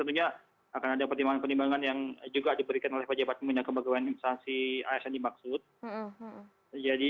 tentunya akan ada pertimbangan pertimbangan yang juga diberikan oleh pejabat pembinaan kebanggaan instansi asn dimaksud